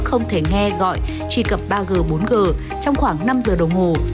không thể nghe gọi truy cập ba g bốn g trong khoảng năm giờ đồng hồ